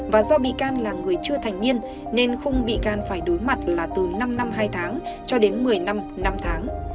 và do bị can là người chưa thành niên nên khung bị can phải đối mặt là từ năm năm hai tháng cho đến một mươi năm năm tháng